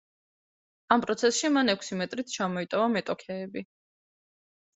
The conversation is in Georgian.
ამ პროცესში მან ექვსი მეტრით ჩამოიტოვა მეტოქეები.